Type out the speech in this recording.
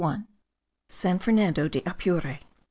18. SAN FERNANDO DE APURE.